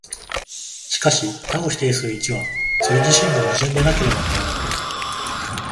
しかし多を否定する一は、それ自身が矛盾でなければならない。